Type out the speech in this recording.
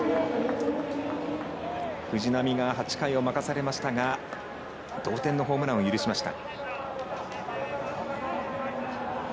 藤浪が８回を任されましたが同点のホームランを許しました。